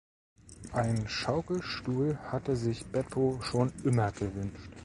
Einen Schaukelstuhl hatte sich Beppo schon immer gewünscht.